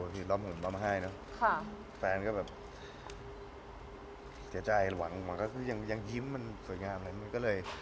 โห่แฟนก็แบบเกิดเสียใจระหว่างมันยิ้มแล้วสวยงามแน่